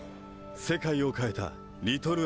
世界を変えたリトルアウロラ。